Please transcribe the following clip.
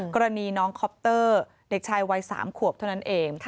กรณีน้องคอปเตอร์เด็กชายวัย๓ขวบเท่านั้นเอง